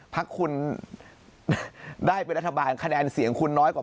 พักคุณได้เป็นรัฐบาลคะแนนเสียงคุณน้อยกว่า